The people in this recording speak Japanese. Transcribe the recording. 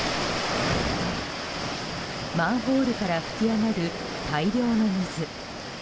マンホールから噴き上がる大量の水。